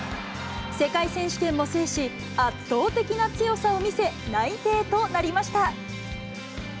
世界選手権も制し、圧倒的な強さを見せ、内定となりました。